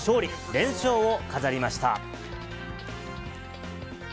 連勝を飾りました。